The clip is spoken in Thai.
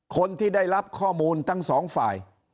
คนที่ได้รับข้อมูลทั้งสองฝ่าย